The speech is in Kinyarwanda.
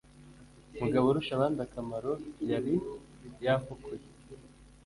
mugaburushabandakamaro yari yafukuye.